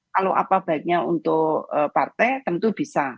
kalau apa baiknya untuk partai tentu bisa